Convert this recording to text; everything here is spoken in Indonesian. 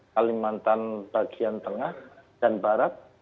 kalimantan bagian tengah dan barat